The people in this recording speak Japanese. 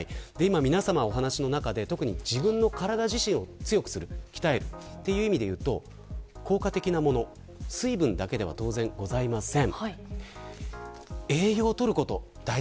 今、皆さまのお話の中で自分の体自身を強くして鍛えるということでいうと効果的なものは水分だけではございません。